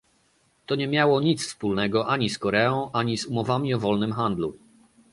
To nie miało nic wspólnego ani z Koreą, ani z umowami o wolnym handlu